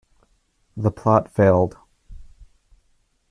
The plot failed.